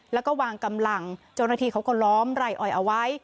แล้วก็วางกำลังเจ้าหน้าที่เขาก็ล้อมไร่อ้อยเอาไว้